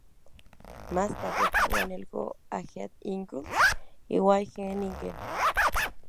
Más tarde jugó en el Go Ahead Eagles y Wageningen.